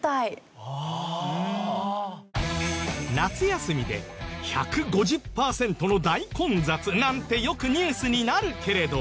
夏休みで１５０パーセントの大混雑なんてよくニュースになるけれど。